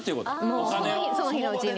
その日のうちに。